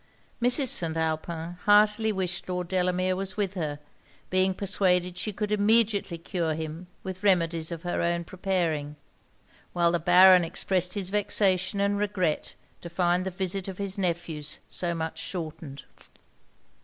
Mrs. St. Alpin heartily wished Lord Delamere was with her, being persuaded she could immediately cure him with remedies of her own preparing; while the Baron expressed his vexation and regret to find the visit of his nephews so much shortened.